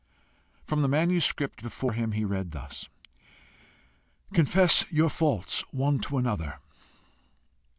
From the manuscript before him he read thus: "'Confess your faults one to another.